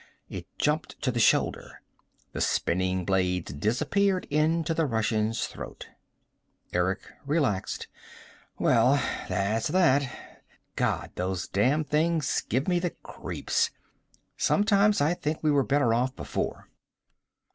It jumped to the shoulder. The spinning blades disappeared into the Russian's throat. Eric relaxed. "Well, that's that. God, those damn things give me the creeps. Sometimes I think we were better off before."